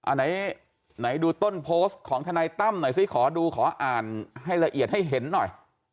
ไหนดูต้นโพสต์ของทนายตั้มหน่อยซิขอดูขออ่านให้ละเอียดให้เห็นหน่อย